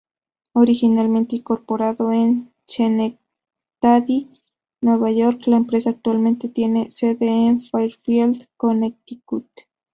Originalmente incorporada en Schenectady, Nueva York, la empresa actualmente tiene sede en Fairfield, Connecticut.